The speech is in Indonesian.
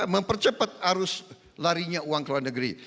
mempercepat arus larinya uang ke luar negeri